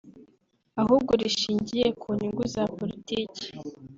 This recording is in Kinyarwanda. ahubwo rishingiye ku nyungu za politiki